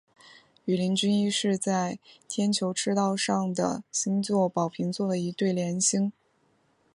羽林军一是在天球赤道上的星座宝瓶座的一对联星。